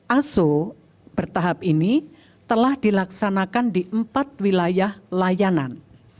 aso bertahap ini telah dilaksanakan di empat wilayah layanan